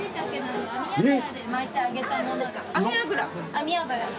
網脂？